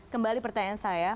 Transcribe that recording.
kembali pertanyaan saya